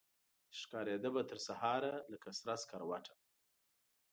چي ښکاریده به ترسهاره لکه سره سکروټه